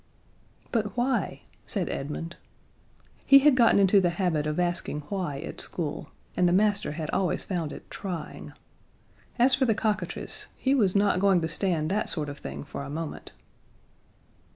"But why?" said Edmund. He had gotten into the habit of asking why at school, and the master had always found it trying. As for the cockatrice, he was not going to stand that sort of thing for a moment.